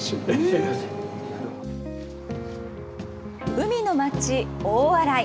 海の町、大洗。